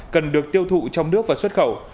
cần được tiêu thụ trong nước và xuất khẩu